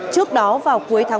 trước đó vào cuối tháng một mươi năm